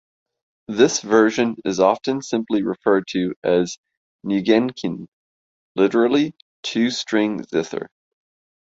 This version is often simply referred to as "nigenkin", literally "two-string zither".